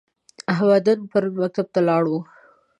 احمدن پرون مکتب ته لاړ و؟